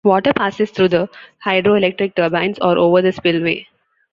Water passes through the hydroelectric turbines or over the spillway.